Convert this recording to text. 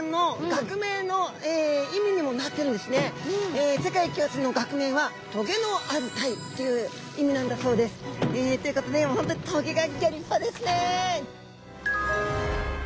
実は世界共通の学名は「棘のあるタイ」という意味なんだそうです。ということで棘がギョ立派ですね。